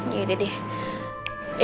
yaudah deh deh